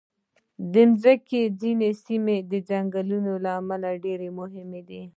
د مځکې ځینې سیمې د ځنګلونو له امله ډېر مهم دي.